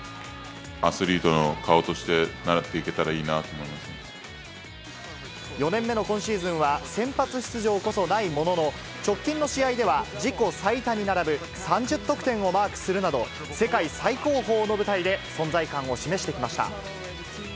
アスリートの顔として、４年目の今シーズンは、先発出場こそないものの、直近の試合では自己最多に並ぶ３０得点をマークするなど、世界最高峰の舞台で存在感を示してきました。